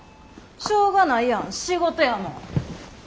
しょうがないやん仕事やもん。